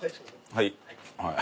はい。